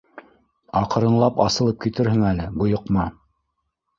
Аҡрынлап асылып китерһең әле, бойоҡма.